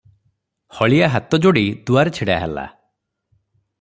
ହଳିଆ ହାତଯୋଡ଼ି ଦୁଆରେ ଛିଡ଼ାହେଲା ।